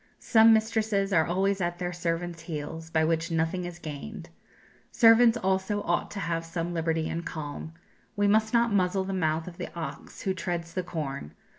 "Some mistresses are always at their servants' heels, by which nothing is gained. "Servants also ought to have some liberty and calm. We must not muzzle the mouth of the ox who treads the corn.